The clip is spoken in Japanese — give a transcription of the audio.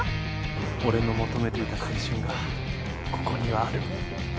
俺の求めていた青春がここにはある。